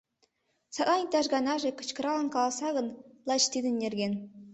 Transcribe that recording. Садлан иктаж ганаже кычкыралын каласа гын, лач тидын нерген.